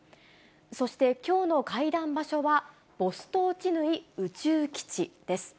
そして、きょうの会談場所はボストーチヌイ宇宙基地です。